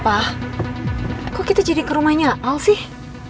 pah kok kita jadi ke rumahnya al sih